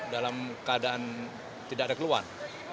dalam keadaan tidak ada keluhan